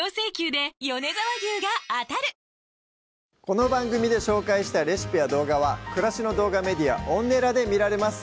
この番組で紹介したレシピや動画は暮らしの動画メディアＯｎｎｅｌａで見られます